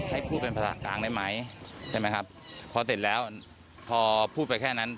ให้พูดเป็นภาษากลางได้ไหมใช่ไหมครับพอเสร็จแล้วพอพูดไปแค่นั้น